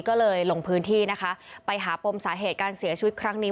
ก็เลยลงพื้นที่นะคะไปหาปมสาเหตุการเสียชีวิตครั้งนี้